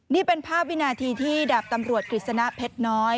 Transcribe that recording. นี่เป็นภาพวินาทีที่ดาบตำรวจกฤษณะเพชรน้อย